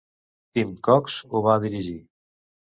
Tim Cox ho va dirigir.